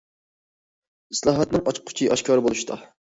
ئىسلاھاتنىڭ ئاچقۇچى ئاشكارا بولۇشتا.